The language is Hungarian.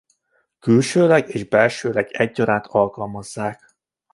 Külsőleg és belsőleg egyaránt alkalmazzák.